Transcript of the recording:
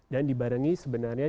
dan dibarengi sebenarnya